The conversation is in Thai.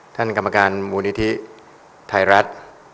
ท่านกรรมการบุญฐิไทรรัฐ